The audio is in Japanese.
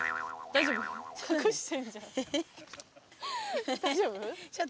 大丈夫？